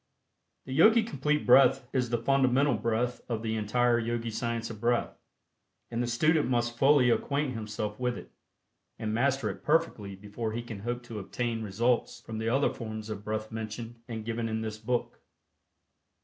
The Yogi Complete Breath is the fundamental breath of the entire Yogi Science of Breath, and the student must fully acquaint himself with it, and master it perfectly before he can hope to obtain results from the other forms of breath mentioned and given in this book.